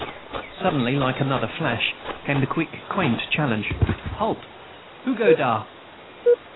Suddenly, like another flash, came the quick, quaint challenge, "Halt! Who's go dar?"